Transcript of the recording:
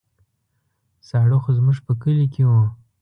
ساړه خو زموږ په کلي کې وو.